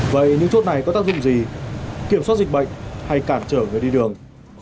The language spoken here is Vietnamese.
vậy những chốt này có tác dụng gì kiểm soát dịch bệnh hay cản trở người đi đường